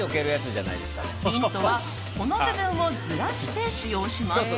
ヒントは、この部分をずらして使用します。